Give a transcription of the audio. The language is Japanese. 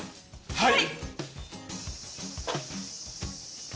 はい！